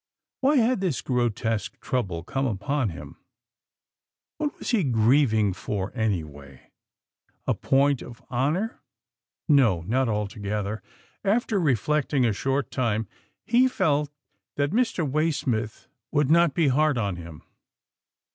Why had this grotesque trouble come upon him? What was he grieving for, anyway? '— A point of honour — No, not altogether. After reflecting a short time, he felt that Mr. Waysmith would not be hard on him.